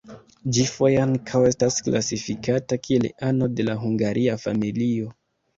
Ĝi foje ankaŭ estas klasifikata kiel ano de la Hungaria familio.